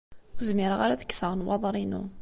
Ur zmireɣ ara ad kkseɣ nnwaḍer-inu.